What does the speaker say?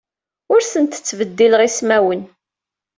Ur asent-ttbeddileɣ ismawen.